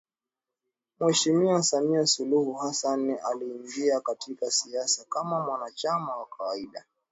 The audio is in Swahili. Mheshimiwa Samia Suluhu Hassan aliingia katika siasa kama mwanachama wa kawaida